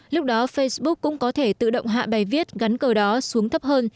lúc đó facebook cũng có thể tự động hạ bài viết gắn cờ đó xuống thấp hơn